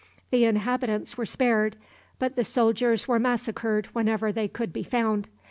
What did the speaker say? The inhabitants were spared, but the soldiers were massacred wherever they could be found.